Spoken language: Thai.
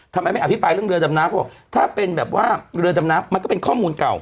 ทำไมไม่อภิปรายเรื่องเรือดำน้ำเขาบอกถ้าเป็นแบบว่าเรือดำน้ำมันก็เป็นข้อมูลเก่า